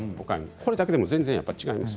それだけでも全然違います。